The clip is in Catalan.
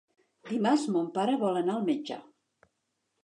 Dimarts mon pare vol anar al metge.